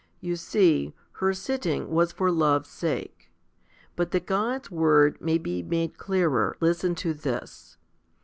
You see, her sitting was for love's sake. But that God's word may be made clearer, listen to this.